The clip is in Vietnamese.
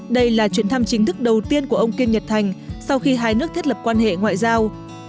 đây là chuyến thăm chính thức đầu tiên của ông kim nhật thành sau khi hai nước thiết lập quan hệ ngoại giao